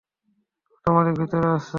ছোট মালিক, ভিতরে আছে।